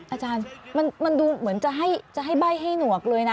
อาจารย์มันดูเหมือนจะให้ใบ้ให้หนวกเลยนะ